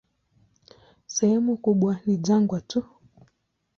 Sehemu kubwa ni jangwa tu.